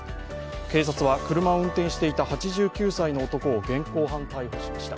警察は車を運転していた８９歳の男を現行犯逮捕しました。